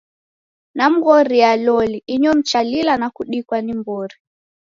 Namghoria loli, inyo mchalila na kudikwa ni mbori.